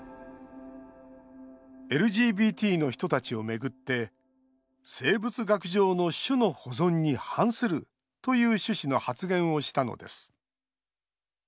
ＬＧＢＴの人たちを巡って「生物学上の種の保存に反する」という趣旨の発言をしたのです。